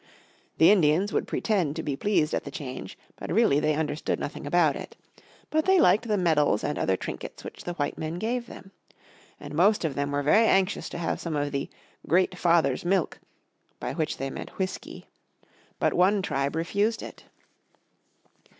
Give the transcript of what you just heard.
The Indians would pretend to be pleased at the change, but really they understood nothing about it. But they liked the medals and other trinkets which the white men gave them. And most of them were very anxious to have some of the "Great Father's Milk" by which they meant whiskey. But one tribe refused it.